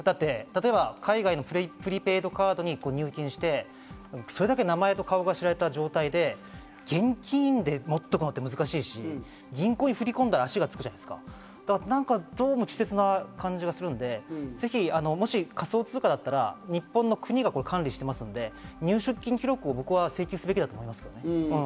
海外のプリペイドカードに入金してそれだけ名前と顔が知られた状態で、現金で持っておくのって難しいし、銀行に振り込んだら足がつくし、どうも稚拙な感じがするんで、仮想通貨だったら日本の国が管理しているので、入出金記録を請求すべきだと思いますね。